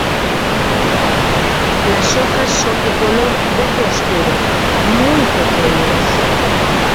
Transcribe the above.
Las hojas son de color verde oscuro, muy pequeñas.